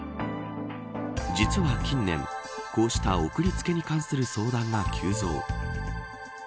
実は近年、こうした送り付けに関する相談が急増。